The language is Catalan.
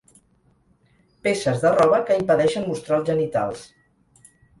Peces de roba que impedeixen mostrar els genitals.